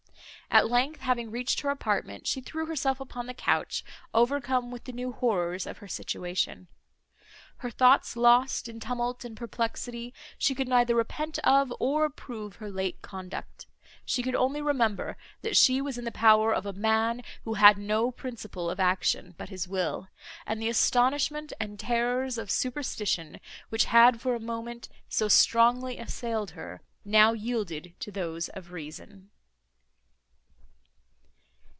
At length, having reached her apartment, she threw herself upon the couch, overcome with the new horrors of her situation. Her thoughts lost in tumult and perplexity, she could neither repent of, nor approve, her late conduct; she could only remember, that she was in the power of a man, who had no principle of action—but his will; and the astonishment and terrors of superstition, which had, for a moment, so strongly assailed her, now yielded to those of reason.